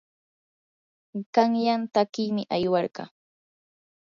qanyan takiymi aywarqaa.